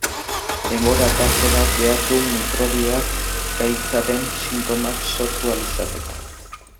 Denbora-tarte bat behar du mikrobioak gaitzaren sintomak sortu ahal izateko.